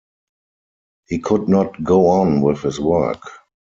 He could not go on with his work.